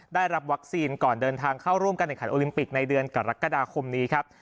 ได้รับวัคซีนก่อนเดินทางเข้าร่วมการแข่งขันโอลิมปิกในเดือนกรกฎาคมนี้ครับ